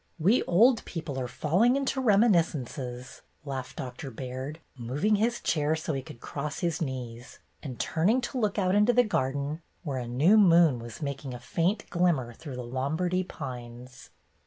'' "We old people are falling into reminis cences," laughed Doctor Baird, moving his chair so he could cross his knees, and turning to look out into the garden, where a new moon was making a faint glimmer through the Lom bardy poplars.